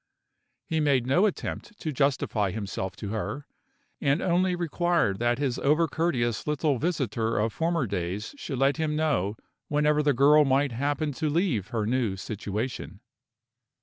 He made no attempt to justify himself to her; and only required that his over courteous little visitor of former days should let him know whenever the girl might happen to leave her new situation.